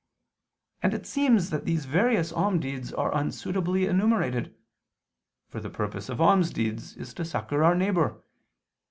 And it seems that these various almsdeeds are unsuitably enumerated. For the purpose of almsdeeds is to succor our neighbor.